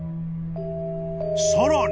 ［さらに］